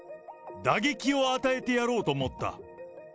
打撃を与えてやろうと思った。